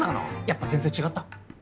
やっぱ全然違った？